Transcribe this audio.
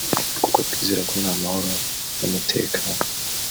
kuko twizera ko nta mahoro n’umutekano